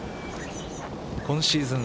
今シーズン